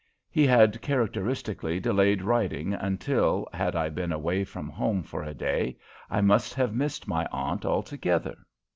He had characteristically delayed writing until, had I been away from home for a day, I must have missed my aunt altogether.